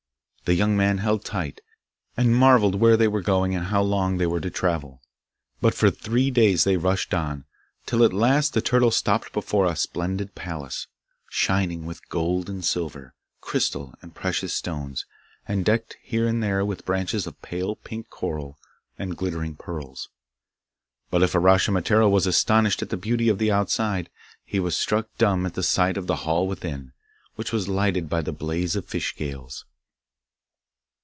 The young man held tight, and marvelled where they were going and how long they were to travel, but for three days they rushed on, till at last the turtle stopped before a splendid palace, shining with gold and silver, crystal and precious stones, and decked here and there with branches of pale pink coral and glittering pearls. But if Uraschimataro was astonished at the beauty of the outside, he was struck dumb at the sight of the hall within, which was lighted by the blaze of fish scales.